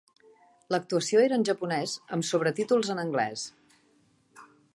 L'actuació era en japonès amb sobretítols en anglès.